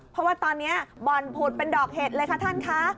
เพราะว่าตอนนี้บ่อนผุดเป็นดอกเห็ดเลยค่ะท่านคะ